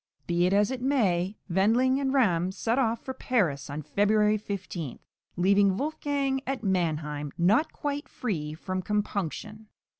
Be it as it may, Wendling and Ramm set off for Paris on February 15, leaving Wolfgang at Mannheim, not quite free from compunction.